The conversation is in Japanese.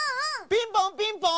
ピンポンピンポン！